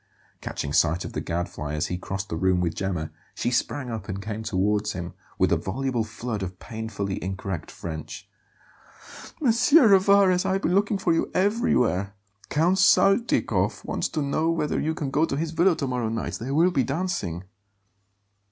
Catching sight of the Gadfly as he crossed the room with Gemma, she sprang up and came towards him, with a voluble flood of painfully incorrect French. "M. Rivarez, I have been looking for you everywhere! Count Saltykov wants to know whether you can go to his villa to morrow night. There will be dancing."